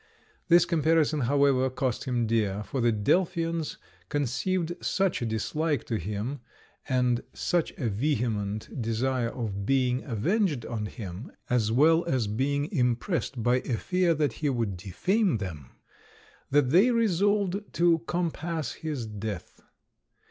This comparison, however, cost him dear, for the Delphians conceived such a dislike to him, and such a vehement desire of being avenged on him (as well as being impressed by a fear that he would defame them), that they resolved to compass his death.